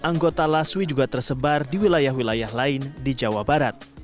anggota laswi juga tersebar di wilayah wilayah lain di jawa barat